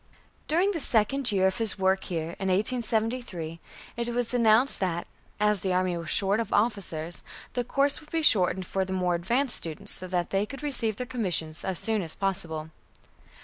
During the second year of his work here, in 1873, it was announced that, as the army was short of officers, the course would be shortened for the more advanced students, so that they could receive their commissions as soon as possible.